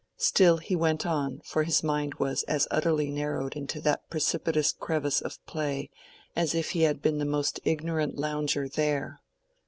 Still he went on, for his mind was as utterly narrowed into that precipitous crevice of play as if he had been the most ignorant lounger there.